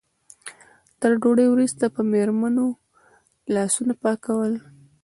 تر ډوډۍ وروسته به مېرمنو لاسونه پاکول.